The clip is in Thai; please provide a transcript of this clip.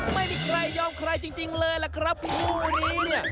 ไม่มีใครยอมใครจริงเลยล่ะครับคู่นี้เนี่ย